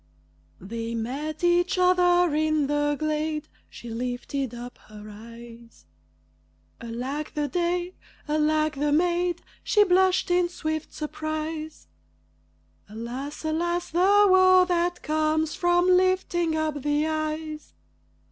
They met each other in the glade She lifted up her eyes; Alack the day! Alack the maid! She blushed in swift surprise. Alas! alas! the woe that comes from lifting up the eyes.